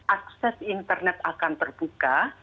akses internet akan terbuka